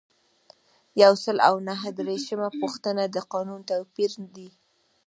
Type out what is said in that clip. یو سل او نهه دیرشمه پوښتنه د قانون توپیر دی.